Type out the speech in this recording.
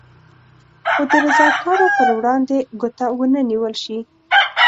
خو د رضاکارو پر وړاندې ګوته ونه نېول شي.